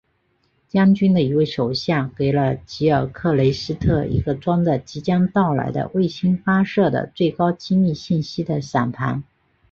将军的一位手下给了吉尔克雷斯特一个装着即将到来的卫星发射的最高机密信息的闪盘。